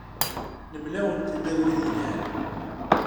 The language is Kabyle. Nemla-awent-d abrid yelhan.